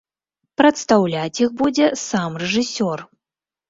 Прадстаўляць іх будзе сам рэжысёр.